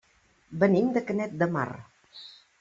Venim de Canet de Mar.